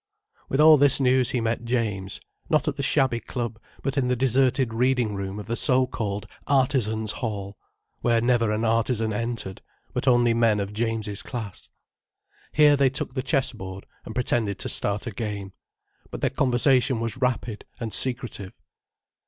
With all this news he met James—not at the shabby club, but in the deserted reading room of the so called Artizans Hall—where never an artizan entered, but only men of James's class. Here they took the chessboard and pretended to start a game. But their conversation was rapid and secretive.